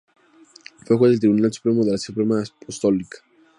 Fue juez del Tribunal Supremo de la Signatura Apostólica.